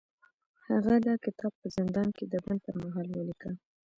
هغه دا کتاب په زندان کې د بند پر مهال ولیکه